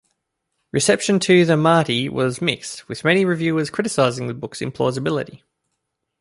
Reception to "The Mahdi" was mixed, with many reviewers criticizing the book's implausibility.